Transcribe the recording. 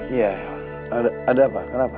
iya ada apa kenapa